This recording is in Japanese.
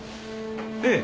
ええ。